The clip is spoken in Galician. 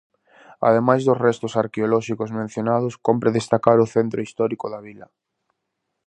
Ademais dos restos arqueolóxicos mencionados cómpre destacar o centro histórico da vila.